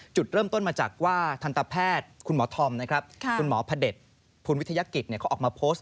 จุดเริ่มต้นมาจากว่าทันตแพทย์คุณหมอธอมนะครับคุณหมอพระเด็จคุณวิทยากิจเขาออกมาโพสต์